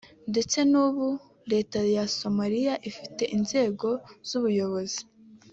ndetse ubu leta ya Somaliya ifite inzego z’ubuyobozi